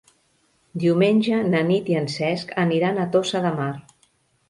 Diumenge na Nit i en Cesc aniran a Tossa de Mar.